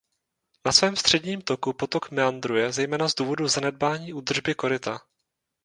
Na svém středním toku potok meandruje zejména z důvodu zanedbání údržby koryta.